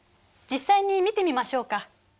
実際に見てみましょうか。